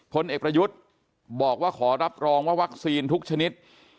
พลเอกประยุทธ์บอกว่าขอรับรองว่าวัคซีนทุกชนิด